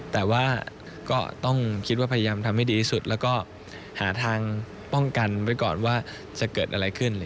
แต่ว่าก็ต้องคิดว่าพยายามทำให้ดีที่สุดแล้วก็หาทางป้องกันไว้ก่อนว่าจะเกิดอะไรขึ้น